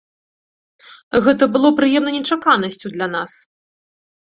Гэта было прыемнай нечаканасцю для нас.